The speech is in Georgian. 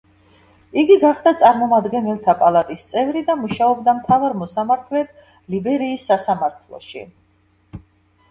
იგი გახდა წარმომადგენელთა პალატის წევრი და მუშაობდა მთავარ მოსამართლედ ლიბერიის სასამართლოში.